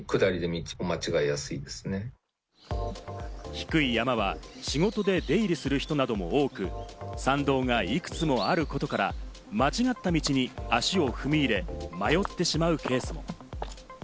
低い山は仕事で出入りする人なども多く、山道がいくつもあることから、間違った道に足を踏み入れ、迷ってしまうケースも。